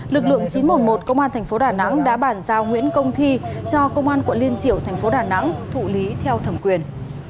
lực lượng chín trăm một mươi một công an tp đà nẵng đã bản giao nguyễn công thi cho công an quận liên triệu tp đà nẵng thụ lý theo thẩm quyền